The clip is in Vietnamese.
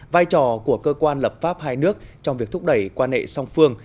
vai trò của cơ quan lập pháp hai nước trong việc thúc đẩy quan hệ song phương